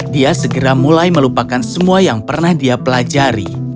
dia segera mulai melupakan semua yang pernah dia pelajari